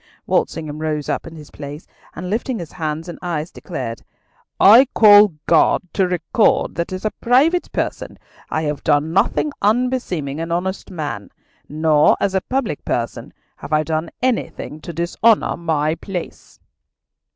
Walsingham rose in his place, and lifting up his hands and eyes declared, "I call God to record that as a private person I have done nothing unbeseeming an honest man, nor as a public person have I done anything to dishonour my place."